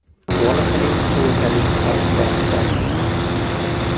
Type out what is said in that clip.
One a penny, two a penny, hot cross buns